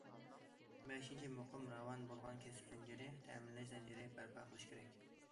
بەشىنچى، مۇقىم، راۋان بولغان كەسىپ زەنجىرى، تەمىنلەش زەنجىرى بەرپا قىلىش كېرەك.